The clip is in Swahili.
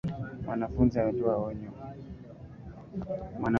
MWanafunzi amepewa onyo.